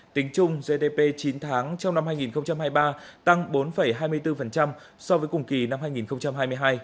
tính chung gdp chín tháng trong năm hai nghìn hai mươi ba tăng bốn hai mươi bốn so với cùng kỳ năm hai nghìn hai mươi hai